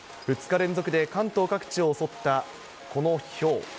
２日連続で関東各地を襲ったこのひょう。